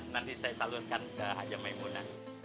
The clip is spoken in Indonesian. nanti saya salurkan ke haja maimuna